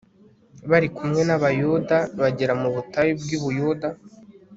bari kumwe n'abayuda, bagera mu butayu bw'i buyuda